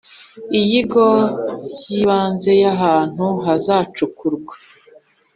Inyigo y ibanze y ahantu hazacukurwa